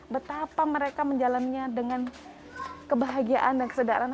betapa mereka menjalannya dengan kebahagiaan dan kesedaran